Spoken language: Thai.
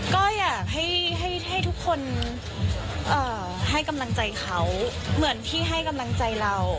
ก็อยากให้ทุกคนให้กำลังใจเขาเหมือนที่ให้กำลังใจเรา